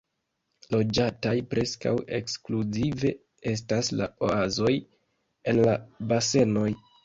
Loĝataj preskaŭ ekskluzive estas la oazoj en la basenoj.